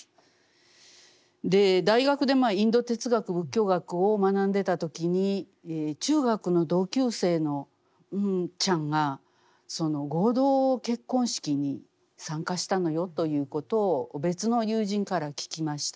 大学でインド哲学仏教学を学んでいた時に中学の同級生のンンちゃんが合同結婚式に参加したのよということを別の友人から聞きました。